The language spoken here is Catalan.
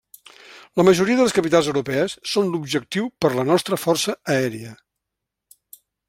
La majoria de les capitals europees són l'objectiu per la nostra força aèria.